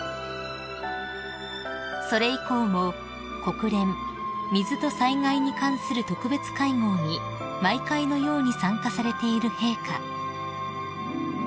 ［それ以降も国連水と災害に関する特別会合に毎回のように参加されている陛下］